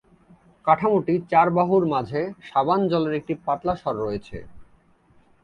কাঠামোটি চার বাহুর মাঝে সাবান-জলের একটি পাতলা সর রয়েছে।